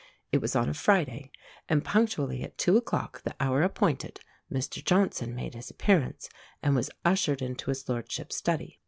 It was on a Friday; and punctually at two o'clock, the hour appointed, Mr Johnson made his appearance, and was ushered into his Lordship's study.